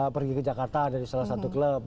pergi ke jakarta dari salah satu klub